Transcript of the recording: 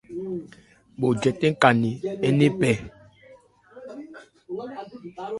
Bho jɛtɛn ka nkɛ nne kpɛ.